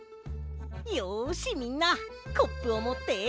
よしみんなコップをもって。